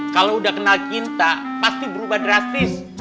kalau udah kenal kinta pasti berubah drastis